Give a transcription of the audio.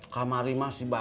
kamari masih berapa